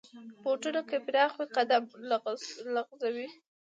بوټونه که پراخ وي، قدم لغزوي.